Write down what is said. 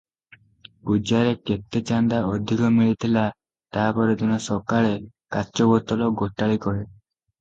ପୂଜାରେ କେତେ ଚାନ୍ଦା ଅଧିକ ମିଳିଥିଲା ତା ପରଦିନ ସକାଳେ କାଚ ବୋତଲ ଗୋଟାଳି କହେ